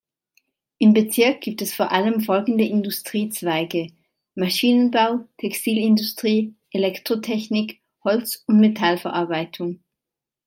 Im Bezirk gibt es vor allem folgende Industriezweige: Maschinenbau, Textilindustrie, Elektrotechnik, Holz- und Metallverarbeitung.